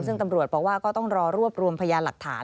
ซึ่งตำรวจบอกว่าก็ต้องรอรวบรวมพยานหลักฐาน